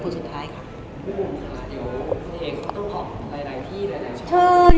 คุณคุณค่ะเดี๋ยวเขาต้องบอกหลายที่หรือหลายช่อง